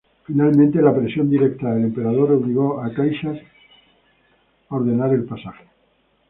Finalmente la presión directa del emperador obligó a Caxias a ordenar el pasaje.